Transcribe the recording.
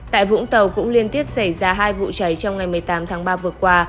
tại vũng tàu cũng liên tiếp xảy ra hai vụ cháy trong ngày một mươi tám tháng ba vừa qua